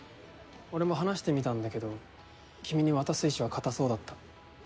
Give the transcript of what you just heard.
俺も話してみたんだけど君に渡す意思は固そうだった。